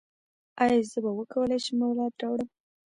ایا زه به وکولی شم اولاد راوړم؟